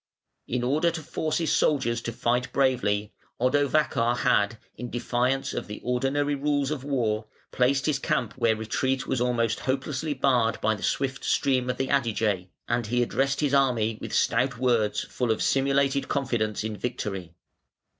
In order to force his soldiers to fight bravely, Odovacar had, in defiance of the ordinary rules of war, placed his camp where retreat was almost hopelessly barred by the swift stream of the Adige, and he addressed his army with stout words full of simulated confidence in victory.